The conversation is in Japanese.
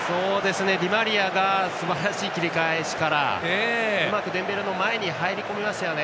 ディマリアがすばらしい切り返しからうまくデンベレの前に入り込みましたよね。